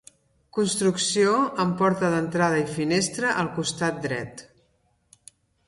Construcció amb porta d'entrada i finestra al costat dret.